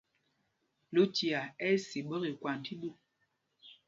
Lucia ɛ́ si ɓɛkɛ ikwand tí ɗû.